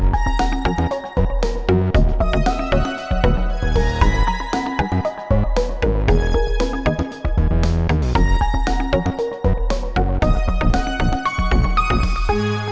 ini ada yang lebih penting lagi urgent